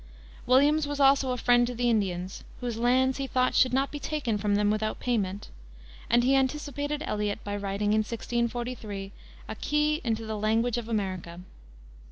Williams was also a friend to the Indians, whose lands, he thought, should not be taken from them without payment, and he anticipated Eliot by writing, in 1643, a Key into the Language of America.